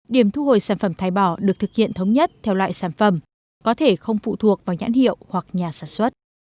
điểm thu hồi sản phẩm thải bỏ được thực hiện thống nhất theo loại sản phẩm có thể không phụ thuộc vào nhãn hiệu hoặc nhà sản xuất